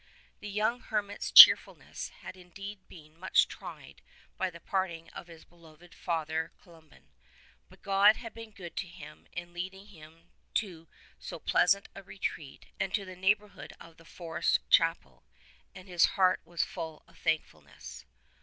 The young hermit's cheerfulness had indeed been much tried by the parting with his beloved Father Columban ; but God had been good to him in leading him to so pleasant a retreat and to the neighbourhood of the forest chapel, and his heart was full of thankfulness.